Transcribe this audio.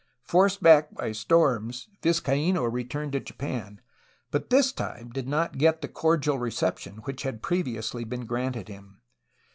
Forced back by storms, Vizcaino returned to Japan, but this time did not get the cordial reception which had previously been granted him.